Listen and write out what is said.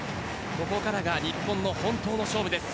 ここからが日本の本当の勝負です。